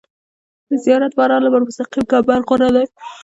د زیات باران لپاره مستقیم کمبر غوره دی